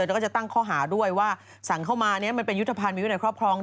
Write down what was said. แล้วก็จะตั้งข้อหาด้วยว่าสั่งเข้ามามันเป็นยุทธภัณฑ์มีวินัยครอบครอง